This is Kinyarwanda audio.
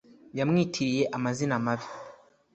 Yamwitiriye amazina mabi